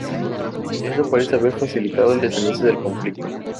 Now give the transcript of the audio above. Esto parece haber facilitado el desenlace del conflicto.